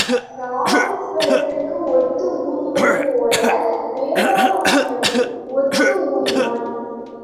நாதசுவரத்துக்கு ஒத்து ஊதுவது போல வேதாரண்யமும் ஒத்து ஊதினான்.